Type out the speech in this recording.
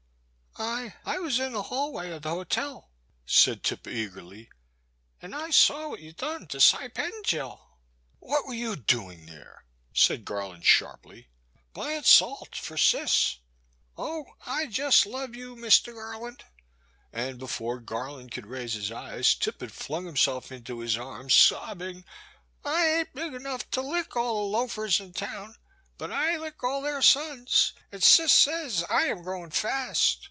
I — I was in the hallway of the hotel,*' said Tip, eagerly, *n' I seen what you done to Cy Pettingil ''What were you doing there ?*' said Garland sharply. Buyin* salt for Cis, — oh ! I just love you, Mister Garland !'' And before Garland could raise his eyes, Tip had flung himself into his arms sobbing : *'I ain't big enough to lick all the loafers in town, but I lick all their sons, and Cis says I am growin* fast.